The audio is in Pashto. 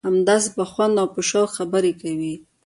همداسې په خوند او په شوق خبرې کوي.